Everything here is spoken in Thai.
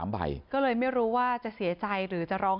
ใบก็เลยไม่รู้ว่าจะเสียใจหรือจะร้อง